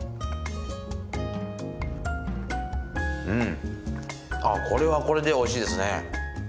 うんあこれはこれでおいしいですね。